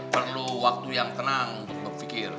perlu waktu yang tenang untuk berpikir